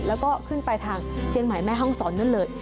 แล้วก็ขึ้นไปทางเชียงใหม่แม่ห้องศรนั่นเลย